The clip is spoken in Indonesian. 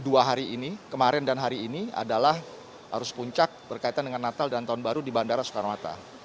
dua hari ini kemarin dan hari ini adalah arus puncak berkaitan dengan natal dan tahun baru di bandara soekarno hatta